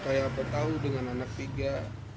kayak apa tahu dengan anak tiga